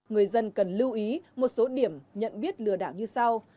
người dân cần lưu ý một số điểm nhận biết lừa đảo như sau